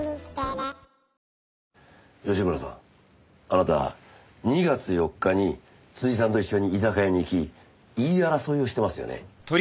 あなた２月４日に辻さんと一緒に居酒屋に行き言い争いをしてますよね？